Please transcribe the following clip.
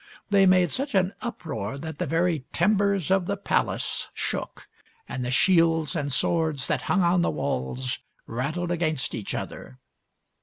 They made smch an uproar that the very timbers of the palace shook, and the shields and swords that hung on the walls rattled against each other.